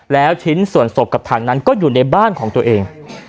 แล้วชิ้นส่วนศพกับถังนั้นก็อยู่ในบ้านของตัวเอง